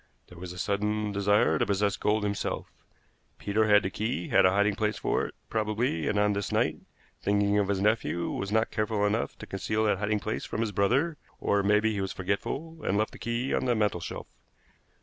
There was a sudden desire to possess gold himself. Peter had the key, had a hiding place for it, probably; and on this night, thinking of his nephew, was not careful enough to conceal that hiding place from his brother, or it may be he was forgetful, and left the key on the mantelshelf.